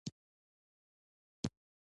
سترګې او ستونى يې راوکتل.